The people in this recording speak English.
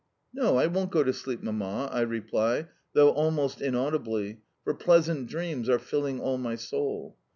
"No, I won't go to sleep, Mamma," I reply, though almost inaudibly, for pleasant dreams are filling all my soul.